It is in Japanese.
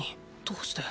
どうして？